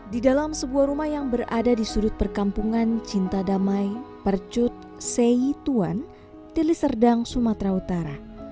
di dalam sebuah rumah yang berada di sudut perkampungan cinta damai percut seyituan deliserdang sumatera utara